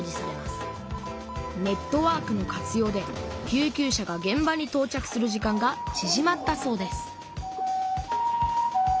ネットワークの活用で救急車がげん場にとう着する時間がちぢまったそうです